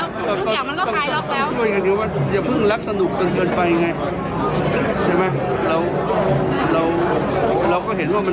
ก็ต้องการแล้วทุกอย่างมันก็ไพลอล์ฟแล้ว